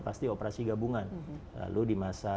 pasti operasi gabungan lalu di masa